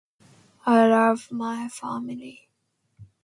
I love my family.